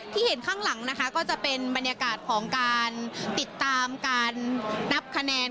เห็นข้างหลังนะคะก็จะเป็นบรรยากาศของการติดตามการนับคะแนน